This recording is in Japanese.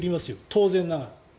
当然ながら。